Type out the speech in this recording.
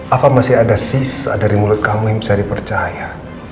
apa masih ada sisa dari mulut kamu yang bisa dipercaya